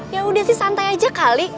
ya udah sih santai aja kali